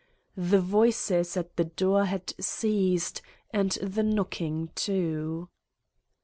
The voices at the door had ceased and the knock ing, too.